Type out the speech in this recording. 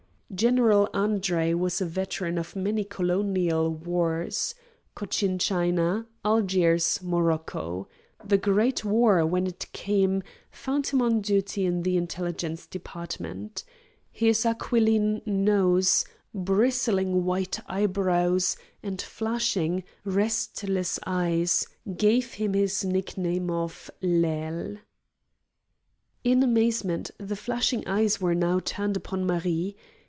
General Andre was a veteran of many Colonial wars: Cochin China, Algiers, Morocco. The great war, when it came, found him on duty in the Intelligence Department. His aquiline nose, bristling white eyebrows, and flashing, restless eyes gave him his nickname of l'Aigle. In amazement, the flashing eyes were now turned upon Marie.